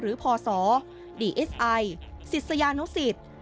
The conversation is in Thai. หรือพศดีเอสไอศิษยานุสิทธิ์